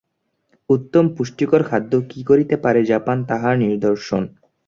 উত্তম পুষ্টিকর খাদ্য কি করিতে পারে, জাপান তাহার নিদর্শন।